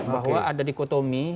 bahwa ada dikotomi